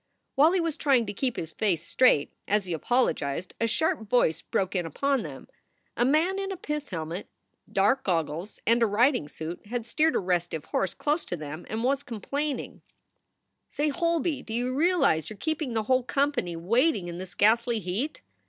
While he was trying to keep his face straight, as he apolo gized, a sharp voice broke in upon them. A man in a pith helmet, dark goggles, and a riding suit had steered a restive horse close to them and was complaining: 126 SOULS FOR SALE "Say, Holby, do you realize you re keeping the whole company waiting in this ghastly heat?"